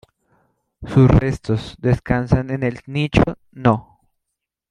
Sus restos descansan en el nicho No.